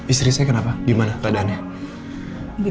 istri saya kenapa gimana keadaannya